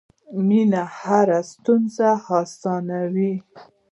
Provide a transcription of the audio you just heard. مینه هره ستونزه اسانوي.